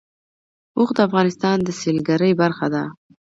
اوښ د افغانستان د سیلګرۍ برخه ده.